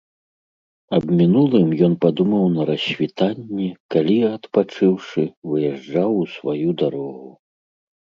Аб мінулым ён падумаў на рассвітанні, калі, адпачыўшы, выязджаў у сваю дарогу.